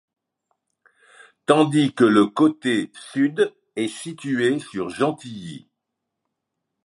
Tandis que le côté sud est situé sur Gentilly.